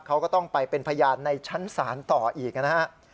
เขาก็ต้องไปเป็นพยานในชั้นศาลต่ออีกนะครับ